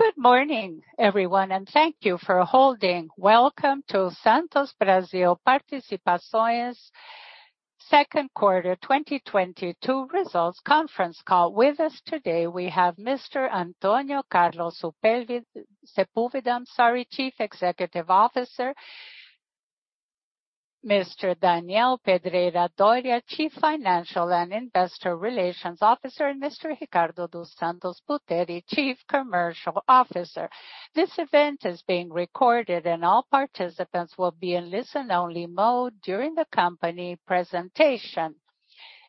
Good morning, everyone, and thank you for holding. Welcome to Santos Brasil Participações second quarter 2022 results conference call. With us today we have Mr. Antônio Carlos Sepúlveda, Chief Executive Officer, Mr. Daniel Pedreira Dorea, Chief Financial and Investor Relations Officer, and Mr. Ricardo dos Santos Buteri, Chief Commercial Officer. This event is being recorded and all participants will be in listen only mode during the company presentation.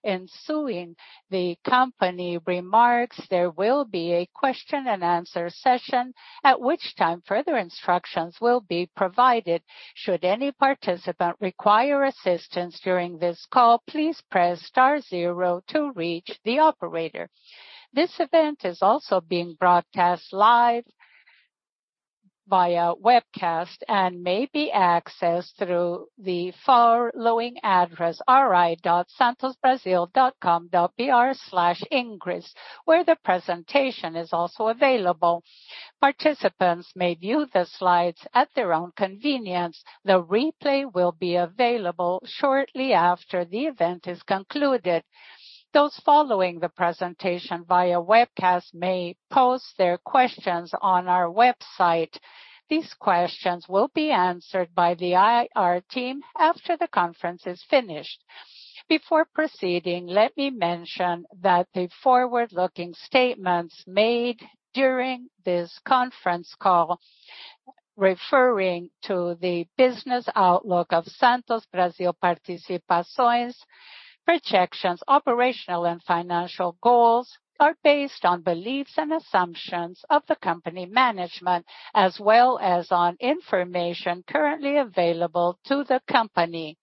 Ensuing the company remarks, there will be a question and answer session, at which time further instructions will be provided. Should any participant require assistance during this call, please press star zero to reach the operator. This event is also being broadcast live via webcast and may be accessed through the following address, ri.santosbrasil.com.br/english, where the presentation is also available. Participants may view the slides at their own convenience. The replay will be available shortly after the event is concluded. Those following the presentation via webcast may pose their questions on our website. These questions will be answered by the IR team after the conference is finished. Before proceeding, let me mention that the forward-looking statements made during this conference call referring to the business outlook of Santos Brasil Participações projections, operational and financial goals are based on beliefs and assumptions of the company management, as well as on information currently available to the company.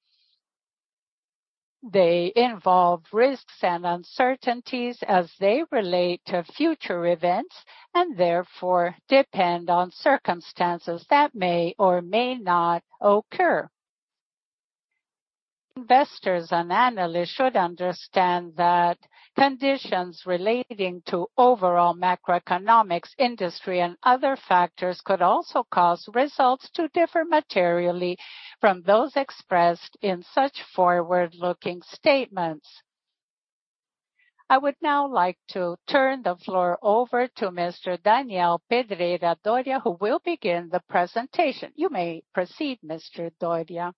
They involve risks and uncertainties as they relate to future events and therefore depend on circumstances that may or may not occur. Investors and analysts should understand that conditions relating to overall macroeconomics, industry, and other factors could also cause results to differ materially from those expressed in such forward-looking statements. I would now like to turn the floor over to Mr. Daniel Pedreira Dorea, who will begin the presentation. You may proceed, Mr. Dorea.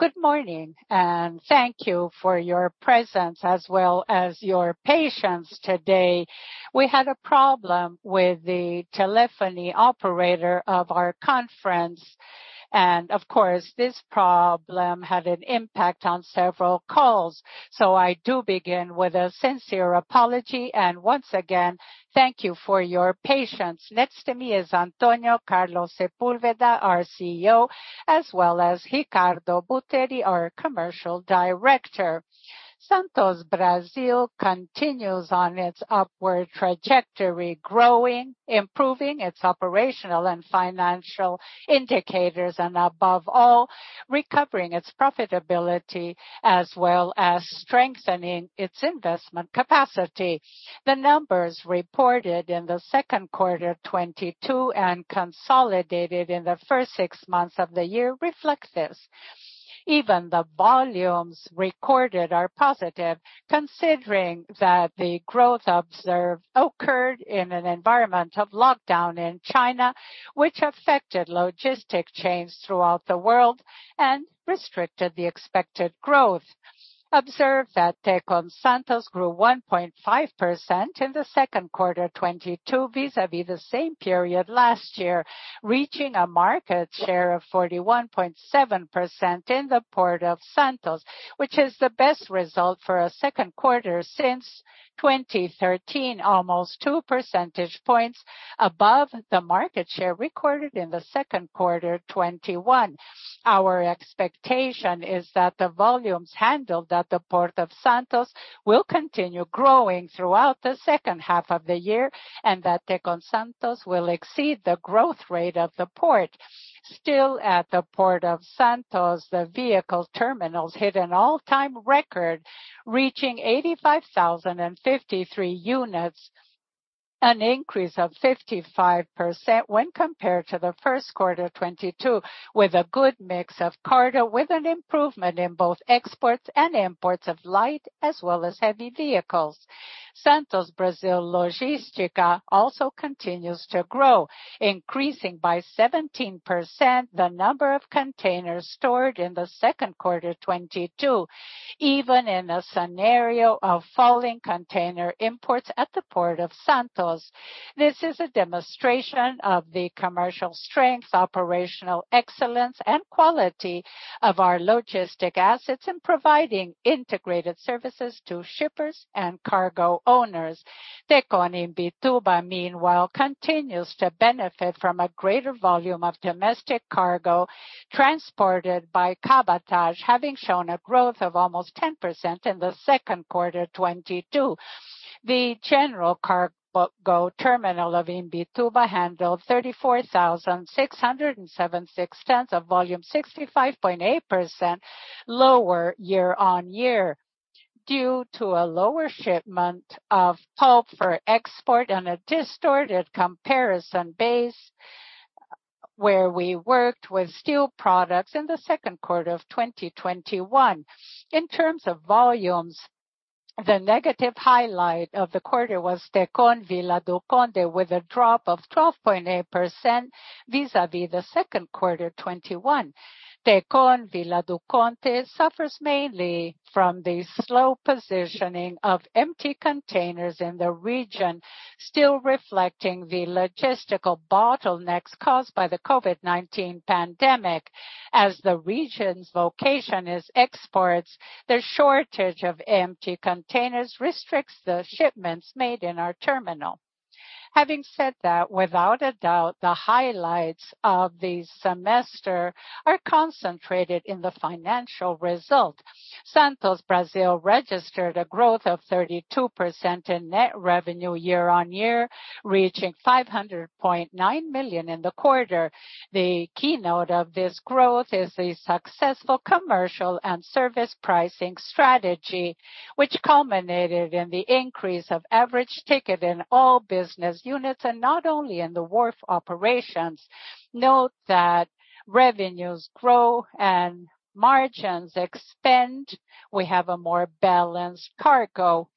Good morning, and thank you for your presence as well as your patience today. We had a problem with the telephony operator of our conference and of course, this problem had an impact on several calls. I do begin with a sincere apology and once again, thank you for your patience. Next to me is Antônio Carlos Sepúlveda, our CEO, as well as Ricardo Buteri, our commercial director. Santos Brasil continues on its upward trajectory, growing, improving its operational and financial indicators and above all, recovering its profitability as well as strengthening its investment capacity. The numbers reported in the second quarter 2022 and consolidated in the first six months of the year reflect this. Even the volumes recorded are positive, considering that the growth observed occurred in an environment of lockdown in China, which affected logistic chains throughout the world and restricted the expected growth. Observe that Tecon Santos grew 1.5% in the second quarter 2022 vis-a-vis the same period last year, reaching a market share of 41.7% in the Port of Santos, which is the best result for a second quarter since 2013, almost two percentage points above the market share recorded in the second quarter 2021. Our expectation is that the volumes handled at the Port of Santos will continue growing throughout the second half of the year, and that Tecon Santos will exceed the growth rate of the port. Still at the Port of Santos, the vehicle terminals hit an all-time record, reaching 85,053 units, an increase of 55% when compared to the first quarter 2022, with a good mix of cargo, with an improvement in both exports and imports of light as well as heavy vehicles. Santos Brasil Logística also continues to grow, increasing by 17% the number of containers stored in the second quarter 2022, even in a scenario of falling container imports at the Port of Santos. This is a demonstration of the commercial strength, operational excellence, and quality of our logistic assets in providing integrated services to shippers and cargo owners. Tecon Imbituba, meanwhile, continues to benefit from a greater volume of domestic cargo transported by cabotage, having shown a growth of almost 10% in the second quarter 2022. The general cargo terminal of Imbituba handled 34,676 tons of volume 65.8% lower year-on-year due to a lower shipment of pulp for export and a distorted comparison base where we worked with steel products in the second quarter of 2021. In terms of volumes, the negative highlight of the quarter was Tecon Vila do Conde, with a drop of 12.8% vis-à-vis the second quarter 2021. Tecon Vila do Conde suffers mainly from the slow positioning of empty containers in the region, still reflecting the logistical bottlenecks caused by the COVID-19 pandemic. As the region's vocation is exports, the shortage of empty containers restricts the shipments made in our terminal. Having said that, without a doubt, the highlights of this semester are concentrated in the financial result. Santos Brasil registered a growth of 32% in net revenue year-on-year, reaching 509 million in the quarter. The keynote of this growth is the successful commercial and service pricing strategy, which culminated in the increase of average ticket in all business units, and not only in the wharf operations. Note that revenues grow and margins expand. We have a more balanced cargo.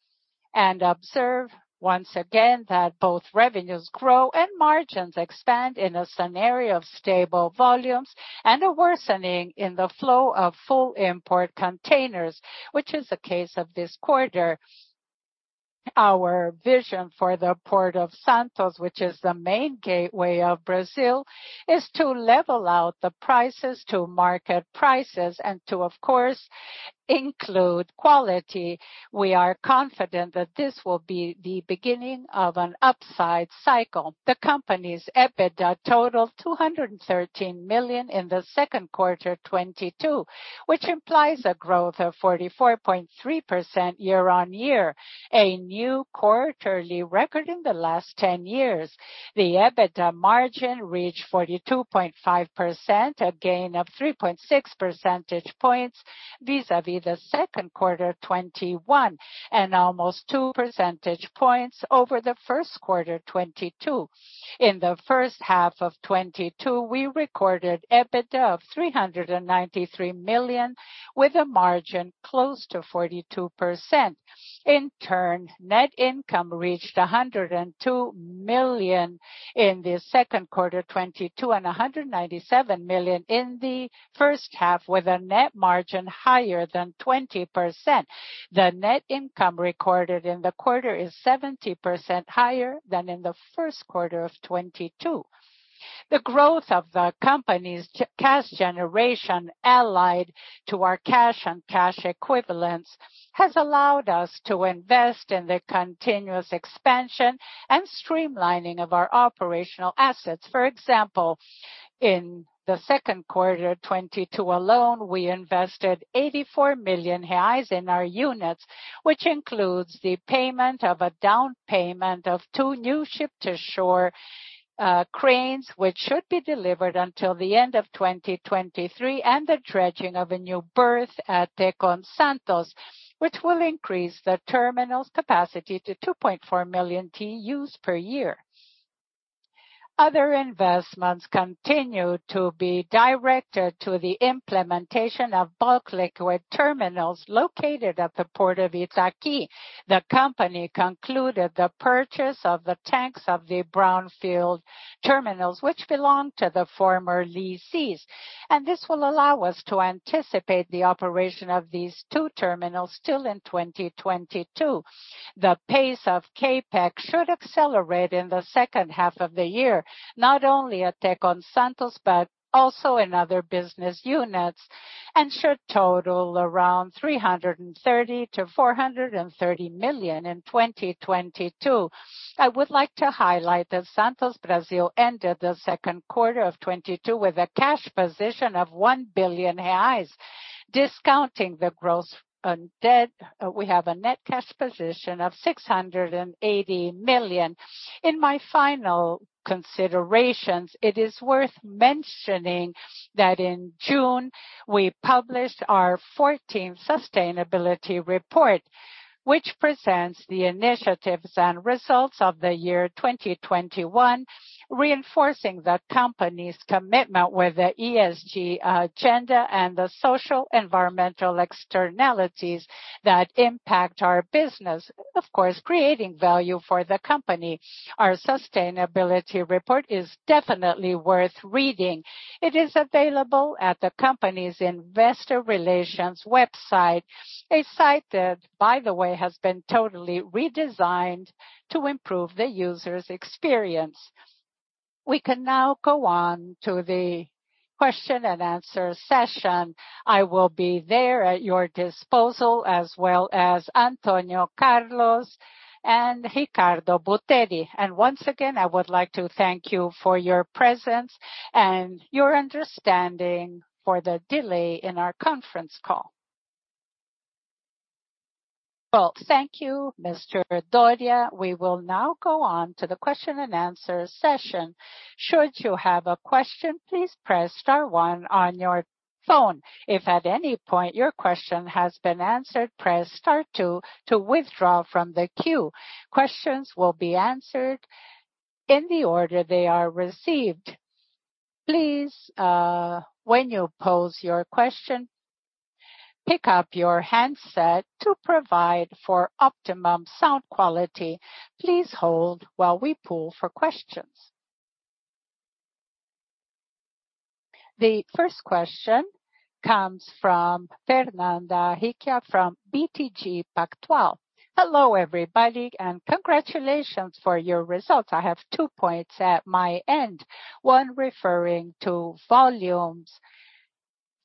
Observe once again that both revenues grow and margins expand in a scenario of stable volumes and a worsening in the flow of full import containers, which is the case of this quarter. Our vision for the Port of Santos, which is the main gateway of Brazil, is to level out the prices to market prices and to, of course, include quality. We are confident that this will be the beginning of an upside cycle. The company's EBITDA totaled 213 million in the second quarter 2022, which implies a growth of 44.3% year-on-year, a new quarterly record in the last 10 years. The EBITDA margin reached 42.5%, a gain of 3.6 percentage points vis-à-vis the second quarter 2021, and almost 2 percentage points over the first quarter 2022. In the first half of 2022, we recorded EBITDA of 393 million, with a margin close to 42%. In turn, net income reached 102 million in the second quarter 2022 and 197 million in the first half, with a net margin higher than 20%. The net income recorded in the quarter is 70% higher than in the first quarter of 2022. The growth of the company's cash generation allied to our cash and cash equivalents has allowed us to invest in the continuous expansion and streamlining of our operational assets. For example, in the second quarter 2022 alone, we invested 84 million reais in our units, which includes the payment of a down payment of 2 new ship-to-shore cranes, which should be delivered until the end of 2023, and the dredging of a new berth at Tecon Santos, which will increase the terminal's capacity to 2.4 million TEUs per year. Other investments continue to be directed to the implementation of bulk liquid terminals located at the Port of Itaqui. The company concluded the purchase of the tanks of the brownfield terminals, which belong to the former lessees. This will allow us to anticipate the operation of these two terminals still in 2022. The pace of CapEx should accelerate in the second half of the year, not only at Tecon Santos, but also in other business units, and should total around 330 million-430 million in 2022. I would like to highlight that Santos Brasil ended the second quarter of 2022 with a cash position of 1 billion reais. Discounting the gross debt, we have a net cash position of 680 million. In my final considerations, it is worth mentioning that in June, we published our fourteenth sustainability report, which presents the initiatives and results of the year 2021, reinforcing the company's commitment with the ESG agenda and the social environmental externalities that impact our business, of course, creating value for the company. Our sustainability report is definitely worth reading. It is available at the company's investor relations website, a site that, by the way, has been totally redesigned to improve the user's experience. We can now go on to the question and answer session. I will be there at your disposal, as well as Antônio Carlos Sepúlveda and Ricardo Buteri. Once again, I would like to thank you for your presence and your understanding for the delay in our conference call. Well, thank you, Mr. Dorea. We will now go on to the question and answer session. Should you have a question, please press star one on your phone. If at any point your question has been answered, press star two to withdraw from the queue. Questions will be answered in the order they are received. Please, when you pose your question, pick up your handset to provide for optimum sound quality. Please hold while we poll for questions. The first question comes from Fernanda Recchia from BTG Pactual. Hello, everybody, and congratulations for your results. I have two points at my end, one referring to volumes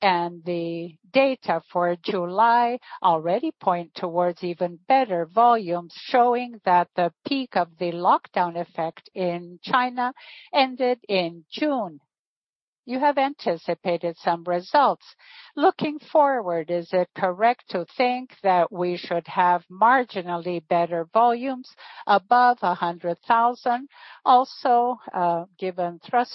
and the data for July already point towards even better volumes, showing that the peak of the lockdown effect in China ended in June. You have anticipated some results. Looking forward, is it correct to think that we should have marginally better volumes above 100,000 TEUs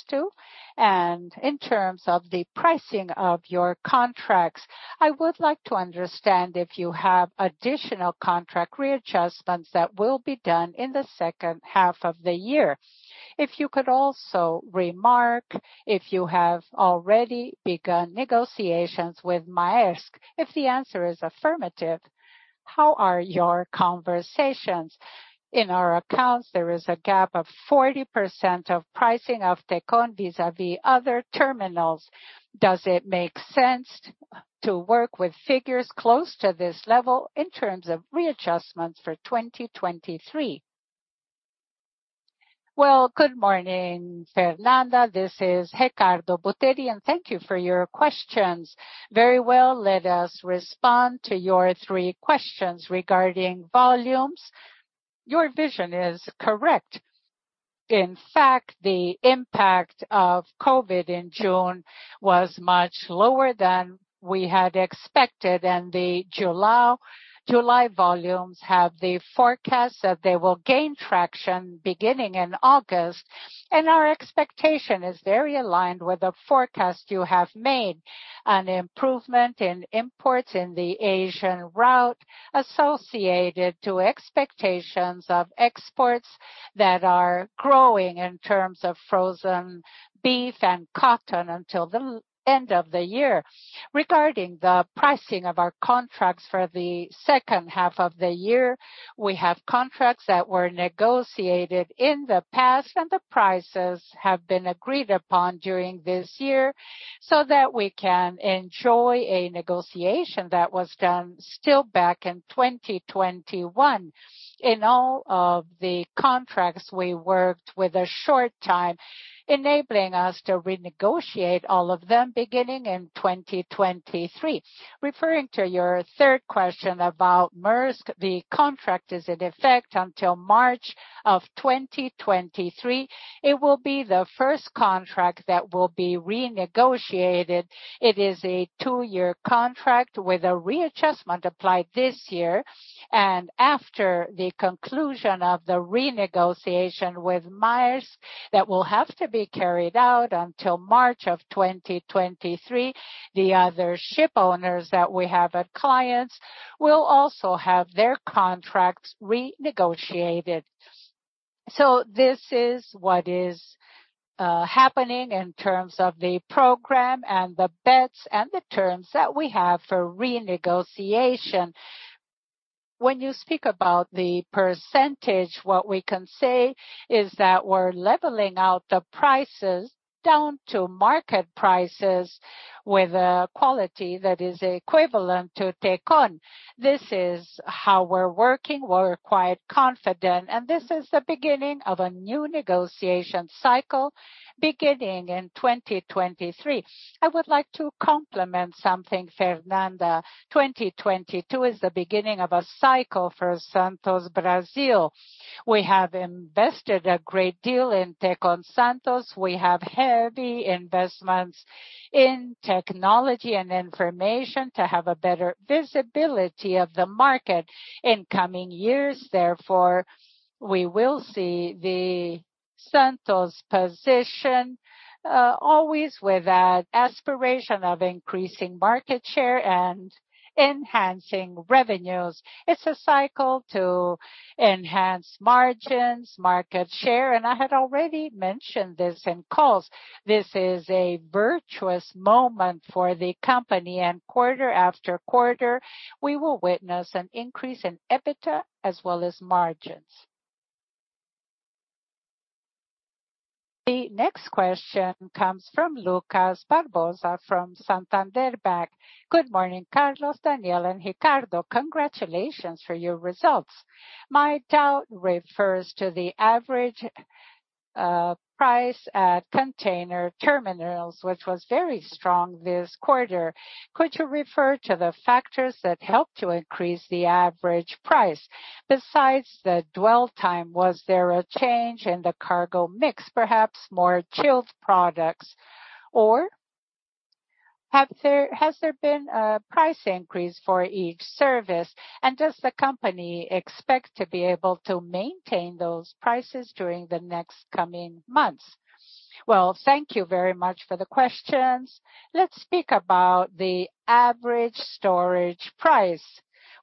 too? In terms of the pricing of your contracts, I would like to understand if you have additional contract readjustments that will be done in the second half of the year. If you could also remark if you have already begun negotiations with Maersk. If the answer is affirmative, how are your conversations? In our accounts, there is a gap of 40% of pricing of Tecon vis-a-vis other terminals. Does it make sense to work with figures close to this level in terms of readjustments for 2023? Well, good morning, Fernanda. This is Ricardo Butteri, and thank you for your questions. Very well. Let us respond to your three questions regarding volumes. Your vision is correct. In fact, the impact of COVID in June was much lower than we had expected, and the July volumes have the forecast that they will gain traction beginning in August. Our expectation is very aligned with the forecast you have made, an improvement in imports in the Asian route associated to expectations of exports that are growing in terms of frozen beef and cotton until the end of the year. Regarding the pricing of our contracts for the second half of the year, we have contracts that were negotiated in the past, and the prices have been agreed upon during this year so that we can enjoy a negotiation that was done still back in 2021. In all of the contracts, we worked with a short time, enabling us to renegotiate all of them beginning in 2023. Referring to your third question about Maersk, the contract is in effect until March of 2023. It will be the first contract that will be renegotiated. It is a two-year contract with a readjustment applied this year. After the conclusion of the renegotiation with Maersk that will have to be carried out until March of 2023, the other shipowners that we have as clients will also have their contracts renegotiated. This is what is happening in terms of the program and the bets and the terms that we have for renegotiation. When you speak about the percentage, what we can say is that we're leveling out the prices down to market prices with a quality that is equivalent to Tecon. This is how we're working. We're quite confident, and this is the beginning of a new negotiation cycle beginning in 2023. I would like to complement something, Fernanda. 2022 is the beginning of a cycle for Santos Brasil. We have invested a great deal in Tecon Santos. We have heavy investments in technology and information to have a better visibility of the market. In coming years, therefore, we will see the Santos position always with that aspiration of increasing market share and enhancing revenues. It's a cycle to enhance margins, market share, and I had already mentioned this in calls. This is a virtuous moment for the company, and quarter after quarter, we will witness an increase in EBITDA as well as margins. The next question comes from Lucas Barbosa from Santander. Good morning, Carlos, Daniel, and Ricardo. Congratulations for your results. My doubt refers to the average price at container terminals, which was very strong this quarter. Could you refer to the factors that helped to increase the average price? Besides the dwell time, was there a change in the cargo mix, perhaps more chilled products? Or has there been a price increase for each service? And does the company expect to be able to maintain those prices during the next coming months? Well, thank you very much for the questions. Let's speak about the average storage price.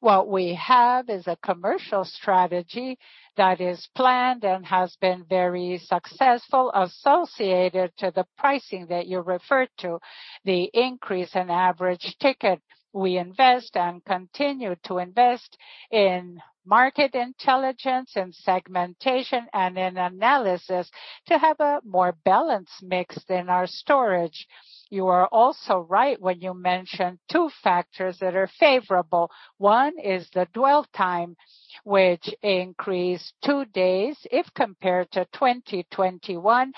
What we have is a commercial strategy that is planned and has been very successful associated to the pricing that you referred to, the increase in average ticket. We invest and continue to invest in market intelligence and segmentation and in analysis to have a more balanced mix in our storage. You are also right when you mention two factors that are favorable. One is the dwell time, which increased two days if compared to 2021.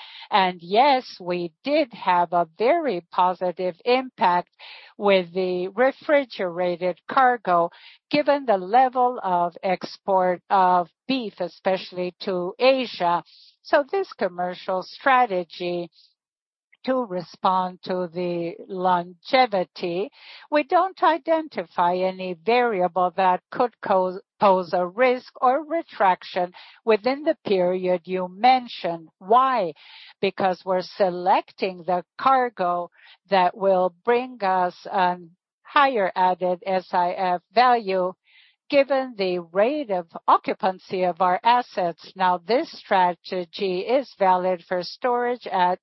Yes, we did have a very positive impact with the refrigerated cargo, given the level of export of beef, especially to Asia. This commercial strategy to respond to the longevity, we don't identify any variable that could cause a risk or retraction within the period you mentioned. Why? Because we're selecting the cargo that will bring us a higher added CIF value given the rate of occupancy of our assets. Now, this strategy is valid for storage at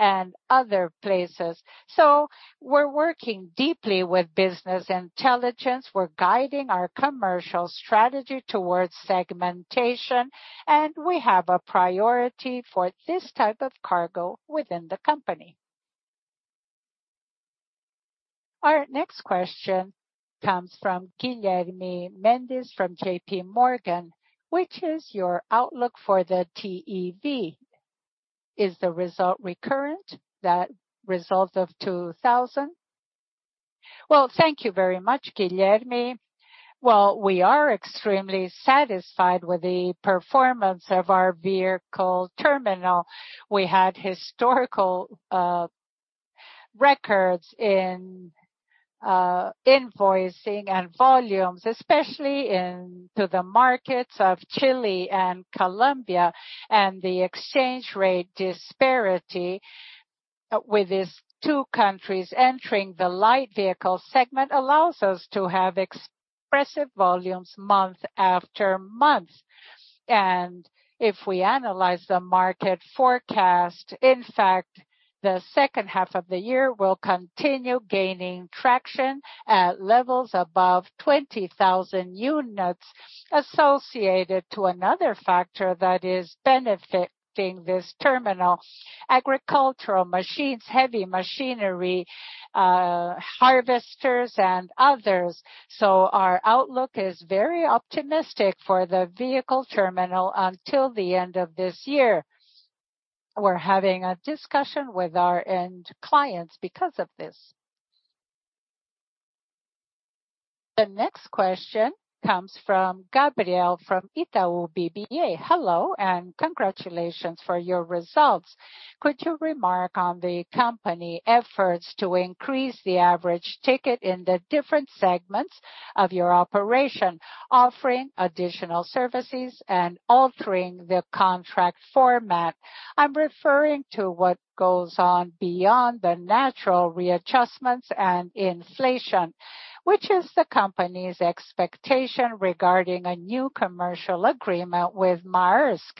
Tecon and other places. We're working deeply with business intelligence. We're guiding our commercial strategy towards segmentation, and we have a priority for this type of cargo within the company. Our next question comes from Guilherme Mendes from JPMorgan. Which is your outlook for the TEV? Is the result recurrent, that result of 2,000? Well, thank you very much, Guilherme. Well, we are extremely satisfied with the performance of our vehicle terminal. We had historical records in invoicing and volumes, especially into the markets of Chile and Colombia. The exchange rate disparity with these two countries entering the light vehicle segment allows us to have expressive volumes month after month. If we analyze the market forecast, in fact, the second half of the year will continue gaining traction at levels above 20,000 units associated to another factor that is benefiting this terminal, agricultural machines, heavy machinery, harvesters and others. Our outlook is very optimistic for the vehicle terminal until the end of this year. We're having a discussion with our end clients because of this. The next question comes from Gabriel from Itaú BBA. Hello, and congratulations for your results. Could you remark on the company efforts to increase the average ticket in the different segments of your operation, offering additional services and altering the contract format? I'm referring to what goes on beyond the natural readjustments and inflation. Which is the company's expectation regarding a new commercial agreement with Maersk,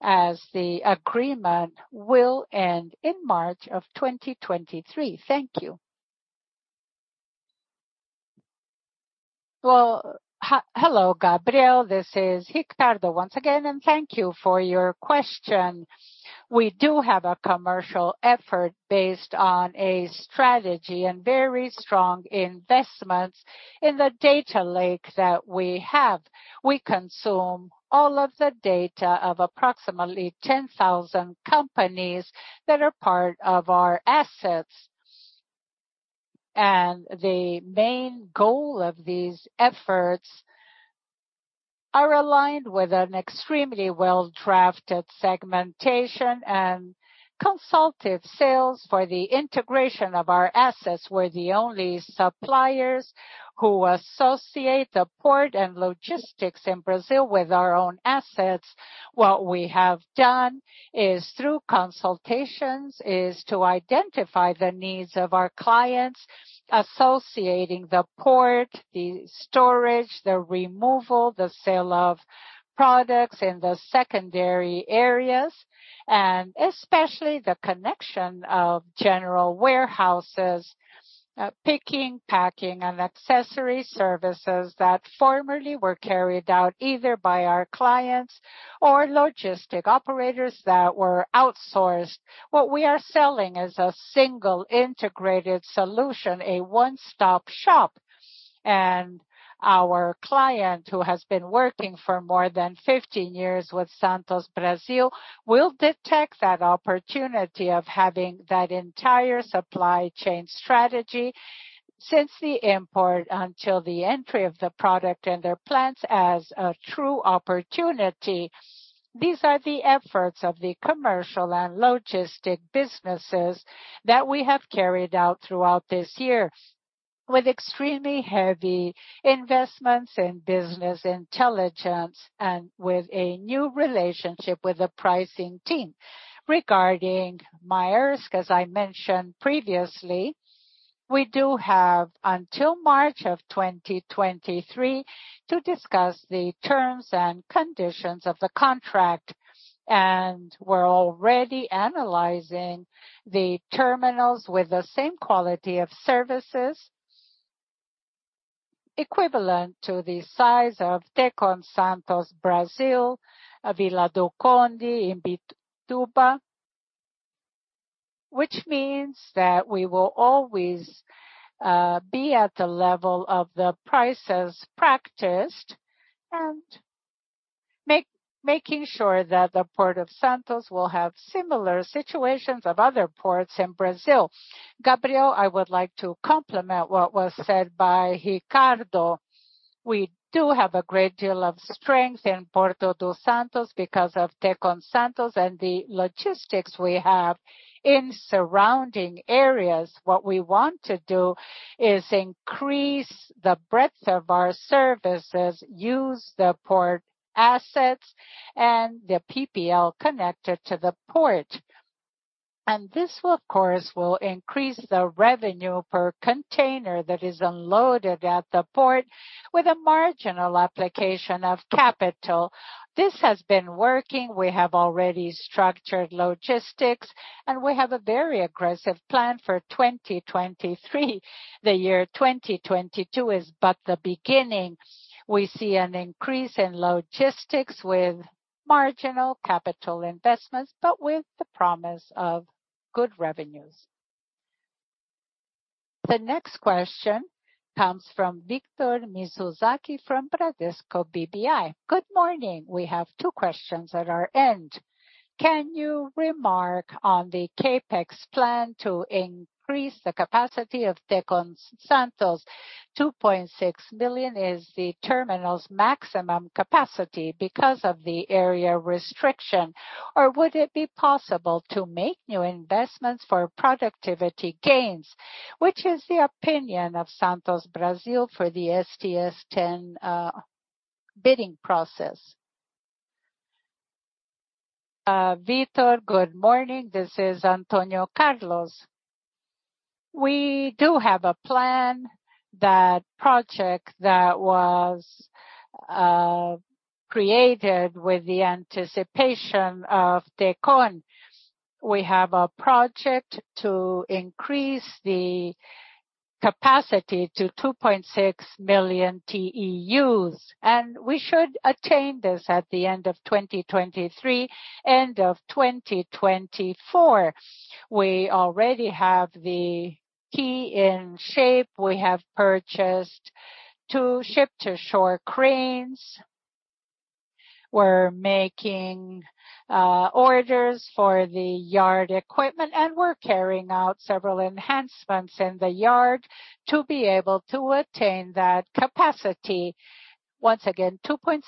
as the agreement will end in March of 2023? Thank you. Well, hello, Gabriel. This is Ricardo once again, and thank you for your question. We do have a commercial effort based on a strategy and very strong investments in the data lake that we have. We consume all of the data of approximately 10,000 companies that are part of our assets. The main goal of these efforts are aligned with an extremely well-drafted segmentation and consultative sales for the integration of our assets. We're the only suppliers who associate the port and logistics in Brazil with our own assets. What we have done through consultations is to identify the needs of our clients, associating the port, the storage, the removal, the sale of products in the secondary areas, and especially the connection of general warehouses, picking, packing, and accessory services that formerly were carried out either by our clients or logistics operators that were outsourced. What we are selling is a single integrated solution, a one-stop shop, and our client who has been working for more than 15 years with Santos Brasil will detect that opportunity of having that entire supply chain strategy since the import until the entry of the product in their plants as a true opportunity. These are the efforts of the commercial and logistics businesses that we have carried out throughout this year. With extremely heavy investments in business intelligence and with a new relationship with the pricing team. Regarding Maersk, as I mentioned previously, we do have until March of 2023 to discuss the terms and conditions of the contract, and we're already analyzing the terminals with the same quality of services equivalent to the size of Tecon Santos, Tecon Vila do Conde, Tecon Imbituba. Which means that we will always be at the level of the prices practiced and making sure that the Port of Santos will have similar situations of other ports in Brazil. Gabriel, I would like to complement what was said by Ricardo. We do have a great deal of strength in Port of Santos because of Tecon Santos and the logistics we have in surrounding areas. What we want to do is increase the breadth of our services, use the port assets and the PPL connected to the port. This will, of course, increase the revenue per container that is unloaded at the port with a marginal application of capital. This has been working. We have already structured logistics, and we have a very aggressive plan for 2023. The year 2022 is but the beginning. We see an increase in logistics with marginal capital investments, but with the promise of good revenues. The next question comes from Victor Mizusaki from Bradesco BBI. Good morning. We have two questions at our end. Can you remark on the CapEx plan to increase the capacity of Tecon Santos? 2.6 billion is the terminal's maximum capacity because of the area restriction. Or would it be possible to make new investments for productivity gains? Which is the opinion of Santos Brasil for the STS10 bidding process? Victor, good morning. This is Antônio Carlos. We do have a plan. That project that was created with the anticipation of Tecon. We have a project to increase the capacity to 2.6 million TEUs, and we should attain this at the end of 2023, end of 2024. We already have the quay in shape. We have purchased two ship-to-shore cranes. We're making orders for the yard equipment, and we're carrying out several enhancements in the yard to be able to attain that capacity. Once again, 2.6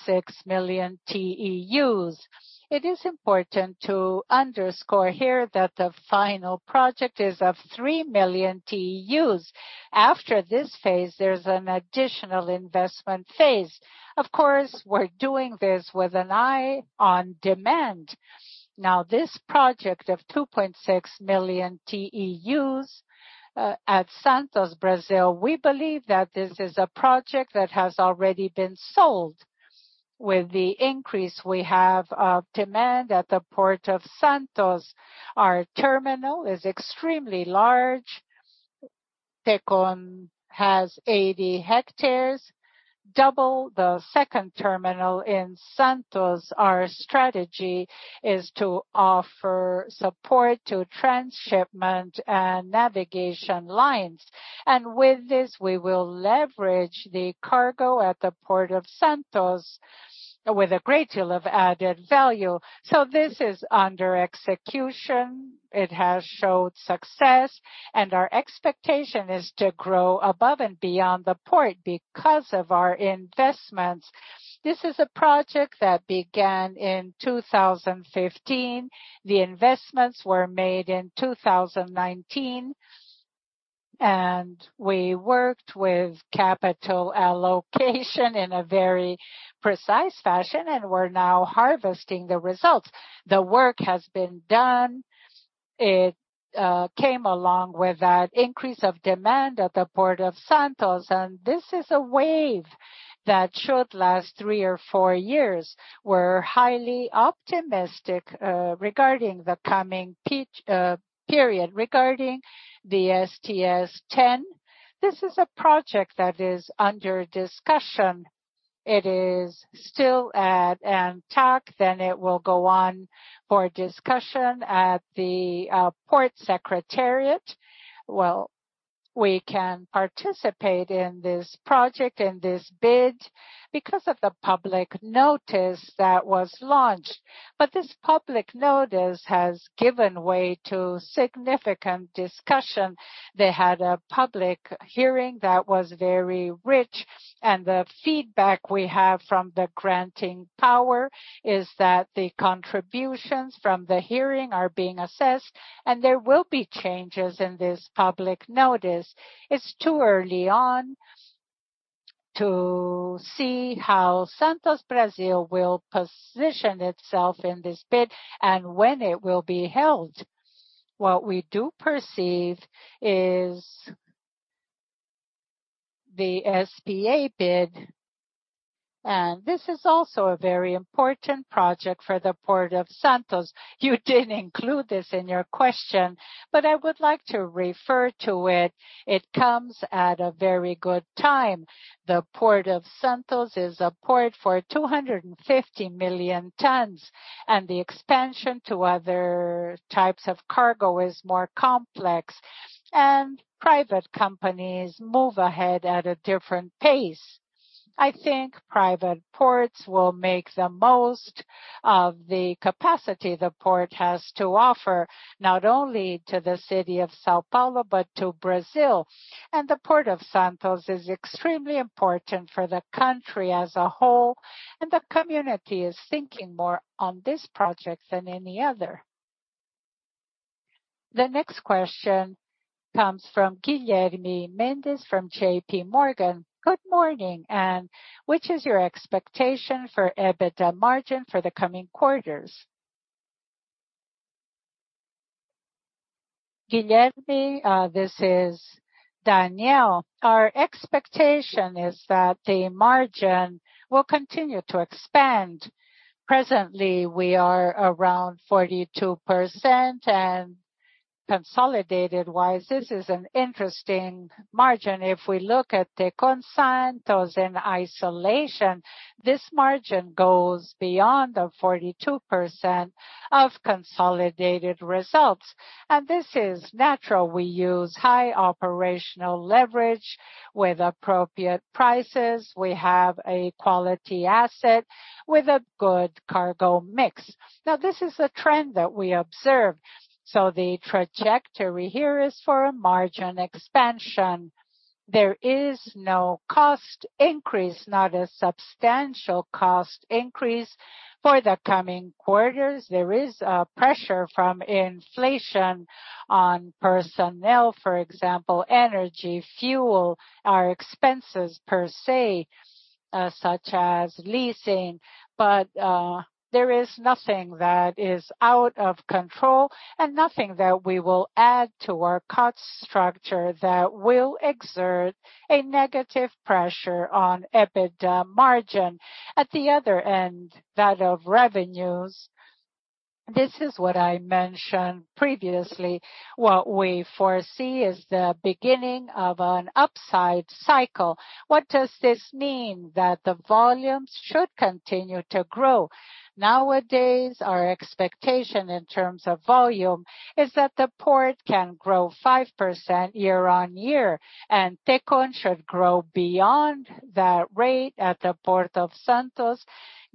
million TEUs. It is important to underscore here that the final project is of 3 million TEUs. After this phase, there's an additional investment phase. Of course, we're doing this with an eye on demand. Now, this project of 2.6 million TEUs at Santos, Brazil, we believe that this is a project that has already been sold with the increase we have of demand at the Port of Santos. Our terminal is extremely large. Tecon has 80 hectares, double the second terminal in Santos. Our strategy is to offer support to transshipment and navigation lines. With this, we will leverage the cargo at the Port of Santos with a great deal of added value. This is under execution. It has showed success, and our expectation is to grow above and beyond the port because of our investments. This is a project that began in 2015. The investments were made in 2019, and we worked with capital allocation in a very precise fashion, and we're now harvesting the results. The work has been done. It came along with that increase of demand at the Port of Santos, and this is a wave that should last three or four years. We're highly optimistic regarding the coming peak period. Regarding the STS10, this is a project that is under discussion. It is still at ANTAQ, then it will go on for discussion at the port secretariat. Well, we can participate in this project, in this bid because of the public notice that was launched. This public notice has given way to significant discussion. They had a public hearing that was very rich, and the feedback we have from the granting power is that the contributions from the hearing are being assessed, and there will be changes in this public notice. It's too early to see how Santos Brasil will position itself in this bid and when it will be held. What we do perceive is the SBA bid, and this is also a very important project for the Port of Santos. You didn't include this in your question, but I would like to refer to it. It comes at a very good time. The Port of Santos is a port for 250 million tons, and the expansion to other types of cargo is more complex, and private companies move ahead at a different pace. I think private ports will make the most of the capacity the port has to offer, not only to the city of São Paulo, but to Brazil. The Port of Santos is extremely important for the country as a whole, and the community is thinking more on this project than any other. The next question comes from Guilherme Mendes from JPMorgan. Good morning. Which is your expectation for EBITDA margin for the coming quarters? Guilherme, this is Daniel. Our expectation is that the margin will continue to expand. Presently, we are around 42% and consolidated-wise, this is an interesting margin. If we look at Tecon Santos in isolation, this margin goes beyond the 42% of consolidated results. This is natural. We use high operational leverage with appropriate prices. We have a quality asset with a good cargo mix. Now this is a trend that we observe. The trajectory here is for a margin expansion. There is no cost increase, not a substantial cost increase for the coming quarters. There is a pressure from inflation on personnel, for example, energy, fuel, our expenses per se, such as leasing. There is nothing that is out of control and nothing that we will add to our cost structure that will exert a negative pressure on EBITDA margin. At the other end, that of revenues, this is what I mentioned previously. What we foresee is the beginning of an upside cycle. What does this mean? That the volumes should continue to grow. Nowadays, our expectation in terms of volume is that the port can grow 5% year-on-year, and Tecon should grow beyond that rate at the Port of Santos,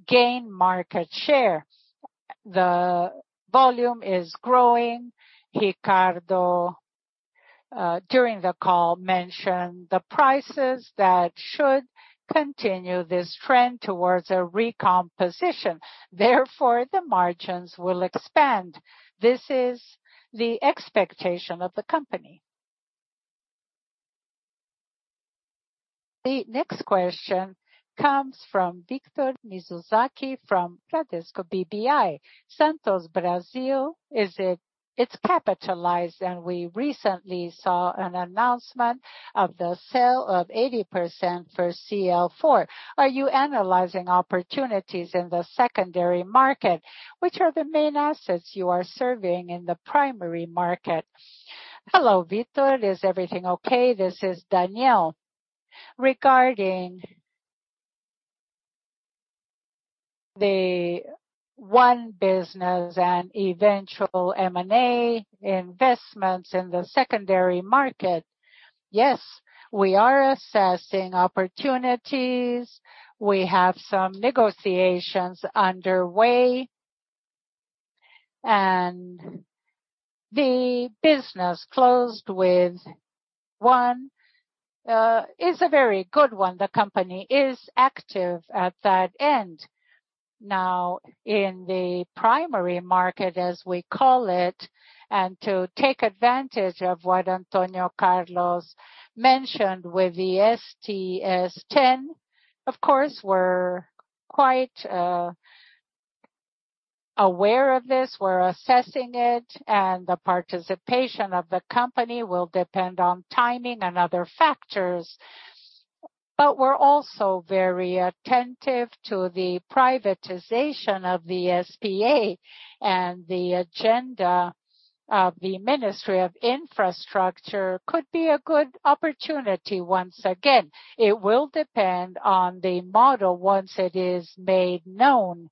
gain market share. The volume is growing. Ricardo, during the call, mentioned the prices that should continue this trend towards a recomposition. Therefore, the margins will expand. This is the expectation of the company. The next question comes from Victor Mizusaki from Bradesco BBI. Santos Brasil, it's capitalized, and we recently saw an announcement of the sale of 80% for CL4. Are you analyzing opportunities in the secondary market? Which are the main assets you are serving in the primary market? Hello, Victor. Is everything okay? This is Danielle. Regarding the one business and eventual M&A investments in the secondary market, yes, we are assessing opportunities. We have some negotiations underway, and the business closed with one is a very good one. The company is active at that end. Now in the primary market, as we call it, and to take advantage of what Antônio Carlos mentioned with the STS10, of course, we're quite aware of this. We're assessing it, and the participation of the company will depend on timing and other factors. We're also very attentive to the privatization of the SBA and the agenda of the Ministry of Infrastructure could be a good opportunity once again. It will depend on the model once it is made known.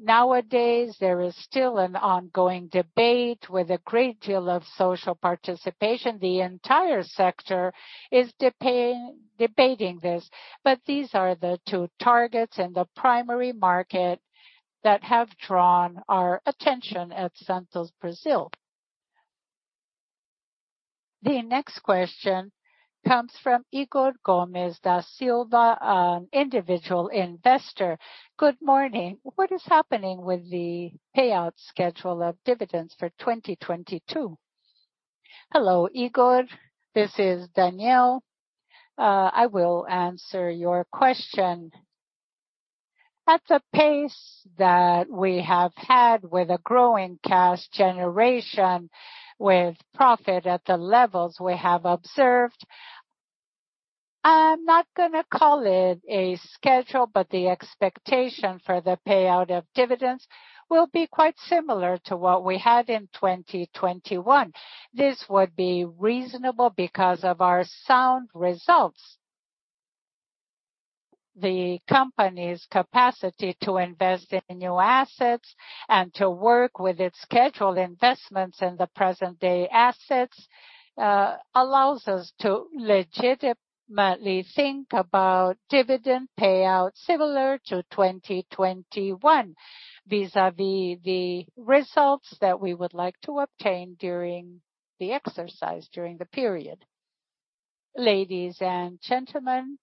Nowadays, there is still an ongoing debate with a great deal of social participation. The entire sector is deeply debating this, but these are the two targets in the primary market that have drawn our attention at Santos Brasil. The next question comes from Igor Gomes da Silva, an individual investor. Good morning. What is happening with the payout schedule of dividends for 2022? Hello, Igor, this is Danielle. I will answer your question. At the pace that we have had with a growing cash generation with profit at the levels we have observed, I'm not gonna call it a schedule, but the expectation for the payout of dividends will be quite similar to what we had in 2021. This would be reasonable because of our sound results. The company's capacity to invest in new assets and to work with its scheduled investments in the present day assets allows us to legitimately think about dividend payout similar to 2021, vis-a-vis the results that we would like to obtain during the exercise, during the period. Ladies and gentlemen,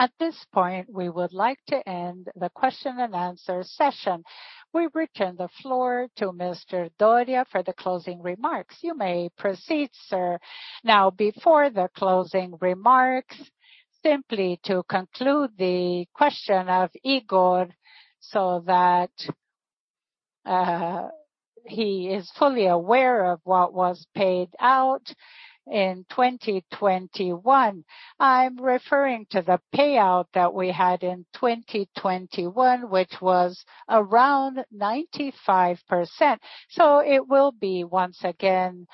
at this point, we would like to end the question and answer session. We return the floor to Mr. Dorea for the closing remarks. You may proceed, sir. Now, before the closing remarks, simply to conclude the question of Igor so that he is fully aware of what was paid out in 2021. I'm referring to the payout that we had in 2021, which was around 95%. It will be once again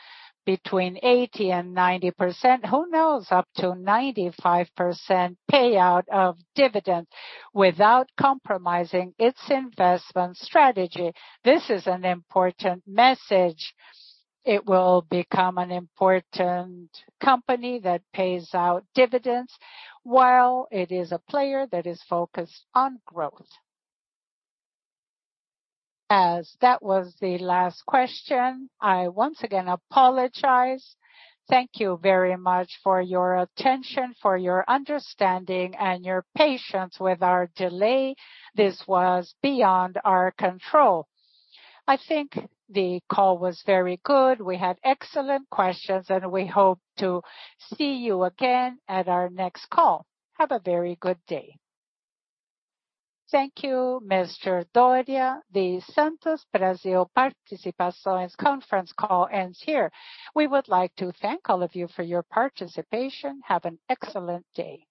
between 80% and 90%. Who knows? Up to 95% payout of dividends without compromising its investment strategy. This is an important message. It will become an important company that pays out dividends while it is a player that is focused on growth. As that was the last question, I once again apologize. Thank you very much for your attention, for your understanding, and your patience with our delay. This was beyond our control. I think the call was very good. We had excellent questions, and we hope to see you again at our next call. Have a very good day. Thank you, Mr. Dorea. The Santos Brasil Participações conference call ends here. We would like to thank all of you for your participation. Have an excellent day.